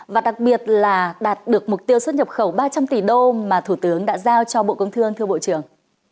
và đặc biệt là đạt được mục tiêu xuất nhập khẩu ba trăm linh tỷ đô mà thủ tướng đã giao cho bộ công thương thưa bộ trưởng